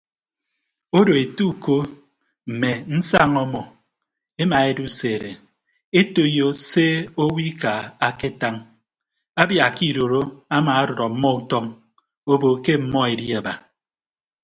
Odo ete uko mme nsaña ọmọ emaeduseede etoiyo se owo ika aketañ abia ke idoro amadʌd ọmmọ utọñ obo ke ọmmọ edi aba.